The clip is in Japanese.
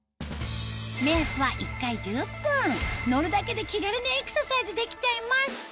目安は乗るだけで気軽にエクササイズできちゃいます